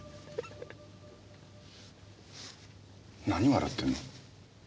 何笑ってるの？